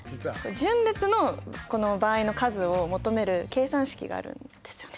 順列のこの場合の数を求める計算式があるんですよね。